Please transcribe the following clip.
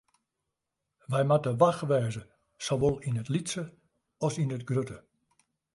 Wy moatte wach wêze, sawol yn it lytse as yn it grutte.